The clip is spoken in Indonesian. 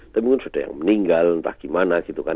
tapi mungkin sudah yang meninggal entah gimana gitu kan